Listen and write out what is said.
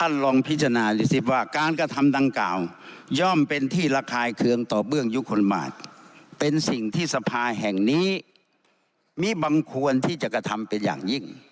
ในประมาณแห่งนี้มีบังควรที่จะกระทำเป็นอย่างยิ่ง